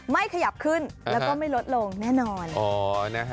ไม่ขยับขึ้นแล้วก็ไม่ลดลงแน่นอน